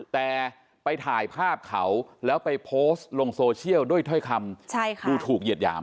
แต่ไปถ่ายภาพเขาแล้วไปโพสต์ลงโซเชียลด้วยถ้อยคำดูถูกเหยียดหยาม